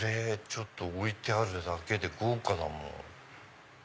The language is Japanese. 置いてあるだけで豪華だもん。